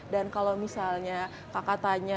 dan kalau misalnya kakak tanya